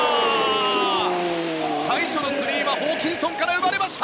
最初のスリーはホーキンソンから生まれました！